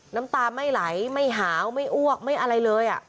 น้ำตาไม่ไหลไม่หาวไม่อ้วกไม่อะไรเลย